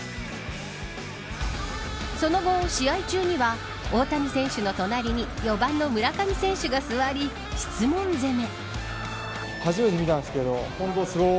その後、試合中には大谷選手の隣に４番の村上選手が座り質問攻め。